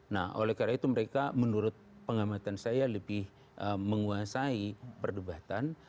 nah oleh karena itu mereka menurut pengamatan saya lebih menguasai perdebatan